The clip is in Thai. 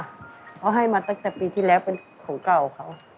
เขาให้มาตั้งแต่ปีที่แล้วเป็นของเก่าเขา